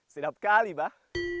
sedap kali mbak